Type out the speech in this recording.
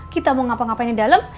kita mau ngapa ngapain di dalam